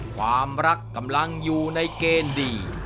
ความรักกำลังอยู่ในเกณฑ์ดี